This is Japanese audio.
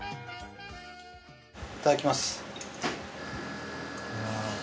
いただきます。